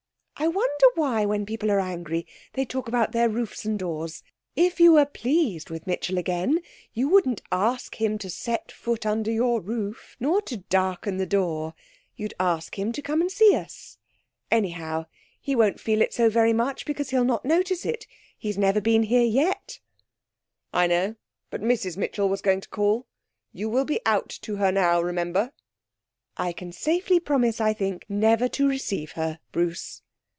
'I wonder why, when people are angry, they talk about their roofs and doors? If you were pleased with Mitchell again, you wouldn't ask him to set foot under your roof nor to darken the door. You'd ask him to come and see us. Anyhow, he won't feel it so very much because he'll not notice it. He's never been here yet.' 'I know; but Mrs Mitchell was going to call. You will be out to her now, remember.' 'I can safely promise, I think, never to receive her, Bruce.'